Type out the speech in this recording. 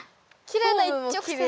きれいな一直線。